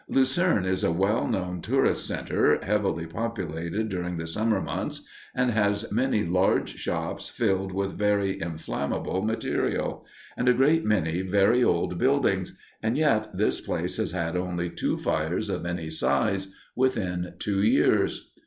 Lucerne is a well known tourist center, heavily populated during the summer months, and has many large shops filled with very inflammable material, and a great many very old buildings; and yet this place had had only two fires of any size within two years!